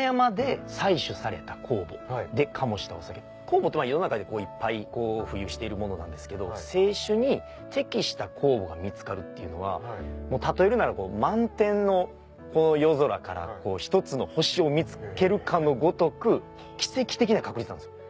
酵母とは世の中でいっぱい浮遊しているものなんですけど清酒に適した酵母が見つかるっていうのは例えるなら満天の夜空から１つの星を見つけるかのごとく奇跡的な確率なんです。